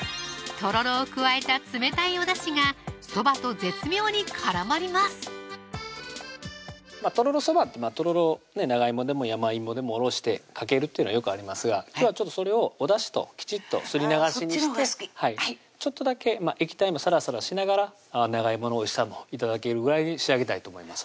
とろろを加えた冷たいお出汁がそばと絶妙に絡まりますとろろそばってとろろ長いもでも山芋でもおろしてかけるっていうのはよくありますが今日はそれをおだしときちっとすり流しにしてちょっとだけ液体もさらさらしながら長いものおいしさも頂けるぐらいに仕上げたいと思います